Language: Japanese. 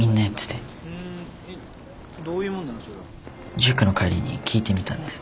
塾の帰りに聞いてみたんです。